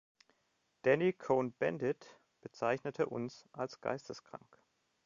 Danny Cohn-Bendit bezeichnete uns als geisteskrank.